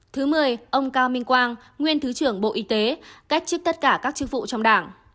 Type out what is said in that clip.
thứ mười ông cao minh quang nguyên thứ trưởng bộ y tế cách trước tất cả các chức vụ trong đảng